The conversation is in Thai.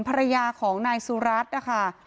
ภรรยาของนายสุรัตน์นะคะ